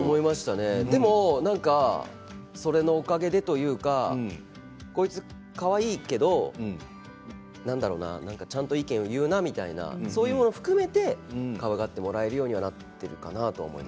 でも、そのおかげでこいつ、かわいいけれどちゃんと意見を言うなってそれを含めてかわいがってもらえるようにはなっているかなと。